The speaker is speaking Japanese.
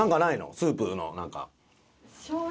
スープのなんか。